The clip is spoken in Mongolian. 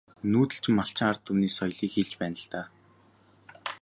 Нүүдэлчин малчин ард түмний соёлыг хэлж байна л даа.